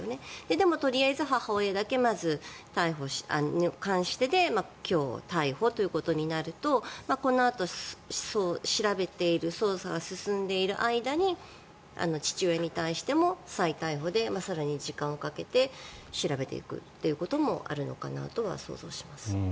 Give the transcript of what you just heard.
でも、とりあえず母親だけに関してで今日、逮捕ということになるとこのあと、調べている捜査が進んでいる間に父親に対しても再逮捕で更に時間をかけて調べていくということもあるのかなとは想像しますね。